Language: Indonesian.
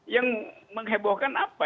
yang menghebohkan apa